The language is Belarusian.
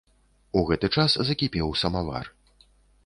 У гэты час закіпеў самавар.